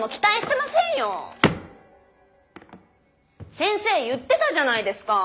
先生言ってたじゃないですか。